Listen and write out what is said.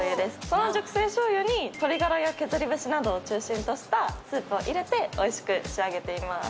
その熟成醤油に鶏ガラや削り節などを中心としたスープを入れておいしく仕上げています